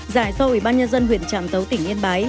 giải sâu ubnd huyện trạm tấu tỉnh yên bái